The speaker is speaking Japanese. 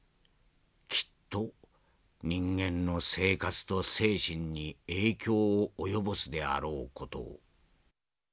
きっと人間の生活と精神に影響を及ぼすであろう事を」。